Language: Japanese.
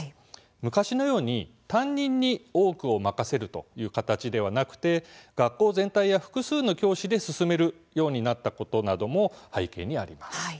昔のように担任に多くを任せるという形ではなく学校全体や複数の教師で進めるようになったことも背景にあります。